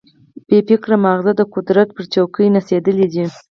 بې فکره ماغزه د قدرت پر چوکۍ نڅېدلي دي.